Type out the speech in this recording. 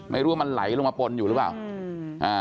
ไม่รู้ว่ามันไหลลงมาปนอยู่หรือเปล่า